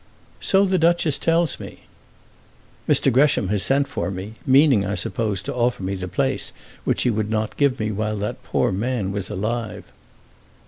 "So the Duchess tells me." "Mr. Gresham has sent for me, meaning, I suppose, to offer me the place which he would not give me while that poor man was alive."